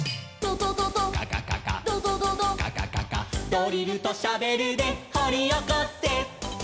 「ドリルとシャベルでほりおこせ」